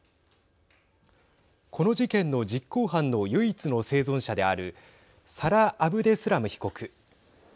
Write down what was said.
この事件の実行犯の唯一の生存者であるサラ・アブデスラム被告。